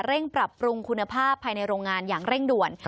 เร่งปรับปรุงคุณภาพภายในโรงงานอย่างเร่งด่วน